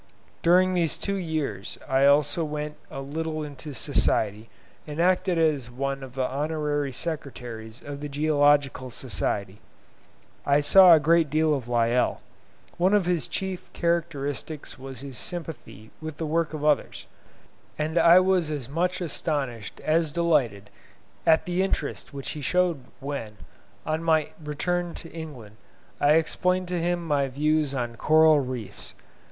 During these two years I also went a little into society, and acted as one of the honorary secretaries of the Geological Society. I saw a great deal of Lyell. One of his chief characteristics was his sympathy with the work of others, and I was as much astonished as delighted at the interest which he showed when, on my return to England, I explained to him my views on coral reefs.